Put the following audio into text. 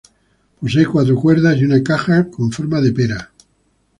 Posee cuatro cuerdas y una caja con forma de pera.